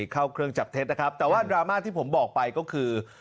เข้าเครื่องจับเท็จนะครับแต่ว่าดราม่าที่ผมบอกไปก็คือ